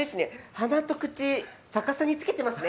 鼻と口、逆さにつけてますね。